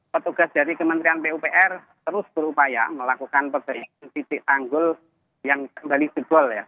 petugas dari kementerian pupr terus berupaya melakukan perbaikan titik tanggul yang kembali jebol ya